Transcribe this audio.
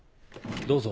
どうぞ。